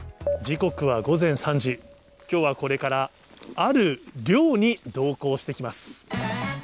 時刻は午前３時、きょうはこれから、ある漁に同行してきます。